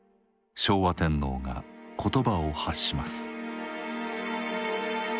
昭和天皇が言葉を発します。